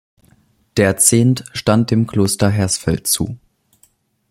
Der Zehnt stand dem Kloster Hersfeld zu.